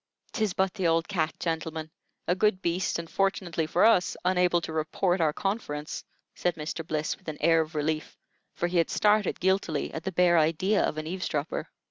"'Tis but the old cat, gentlemen. A good beast, and, fortunately for us, unable to report our conference," said Mr. Bliss, with an air of relief, for he had started guiltily at the bare idea of an eavesdropper.